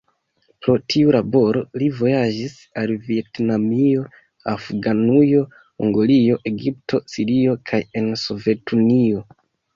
Pro tiu laboro li vojaĝis al Vjetnamio, Afganujo, Mongolio, Egipto, Sirio kaj en Sovetunio.